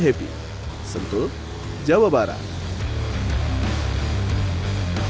diharapkan talenta balap muda indonesia dapat beradaptasi dan mengasah skill membalap sejak dini